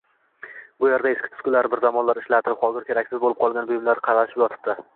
Bu yerda eski-tuskilar, bir zamonlar ishlatib, hozir keraksiz boʻlib qolgan buyumlar qalashib yotardi